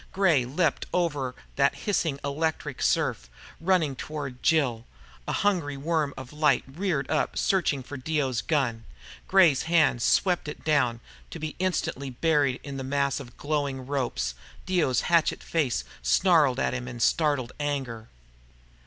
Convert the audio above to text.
Gray leaped over that hissing electric surf, running toward Jill. A hungry worm of light reared up, searching for Dio's gun. Gray's hand swept it down, to be instantly buried in a mass of glowing ropes. Dio's hatchet face snarled at him in startled anger.